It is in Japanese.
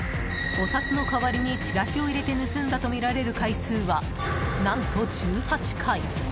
お札の代わりにチラシを入れて盗んだとみられる回数は何と１８回。